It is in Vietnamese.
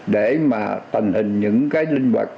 để mà tình hình những cái linh vật